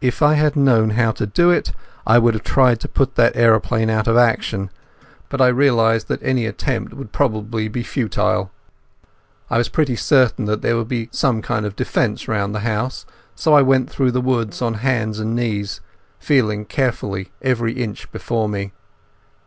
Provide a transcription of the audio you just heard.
If I had known how to do it I would have tried to put that aeroplane out of action, but I realized that any attempt would probably be futile. I was pretty certain that there would be some kind of defence round the house, so I went through the wood on hands and knees, feeling carefully every inch before me.